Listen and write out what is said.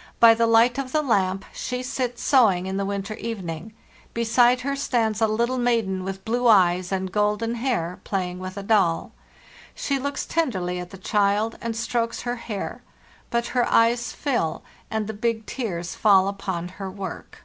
.. By the light of the lamp she sits sewing in the winter evening. Be side her stands a little maiden with blue eyes and gold en hair, playing with a doll. She looks tenderly at the child and strokes her hair; but her eyes fill, and the big tears fall upon her work.